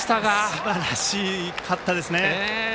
すばらしかったですね。